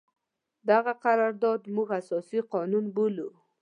دغه قرارداد موږ اساسي قانون بولو.